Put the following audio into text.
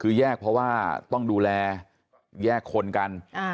คือแยกเพราะว่าต้องดูแลแยกคนกัน